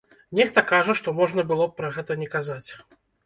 Нехта кажа, што можна было б пра гэта не казаць.